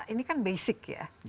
ini kan basic ya